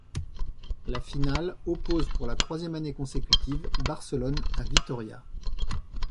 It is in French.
La finale oppose pour la troisième année consécutive Barcelone à Vitoria.